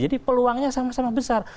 jadi peluangnya sama sama besar